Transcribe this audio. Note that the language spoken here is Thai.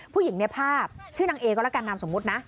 ผู้หญิงในภาพชื่อนางเอก็แล้วกันนามสมมุตินะ